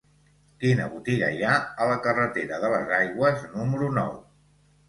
Quina botiga hi ha a la carretera de les Aigües número nou?